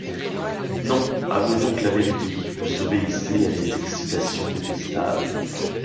Non, avouez donc la vérité, vous obéissez à des excitations détestables.